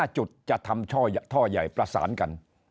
จุดจะทำท่อใหญ่ประสานกัน